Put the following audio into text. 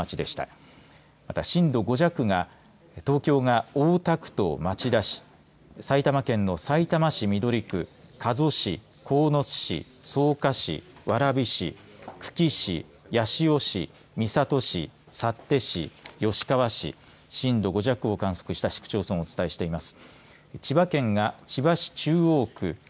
また震度５弱が東京が大田区と町田市埼玉県のさいたま市緑区加須市、鴻巣市、草加市蕨市、久喜市、八潮市三郷市、幸手市、吉川市震度５弱を観測した市区町村をお伝えしています。